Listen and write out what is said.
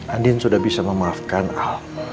andi sudah bisa memaafkan al